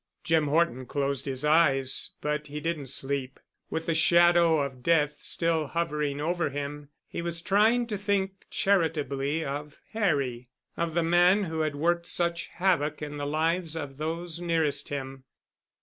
Jim Horton closed his eyes, but he didn't sleep. With the shadow of death still hovering over him, he was trying to think charitably of Harry, of the man who had worked such havoc in the lives of those nearest him.